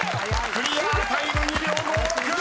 ［クリアタイム２秒５６！］